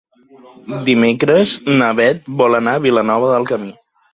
Dimecres na Bet va a Vilanova del Camí.